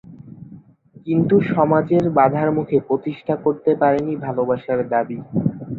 কিন্তু সমাজের বাধার মুখে প্রতিষ্ঠা করতে পারেনি ভালোবাসার দাবি।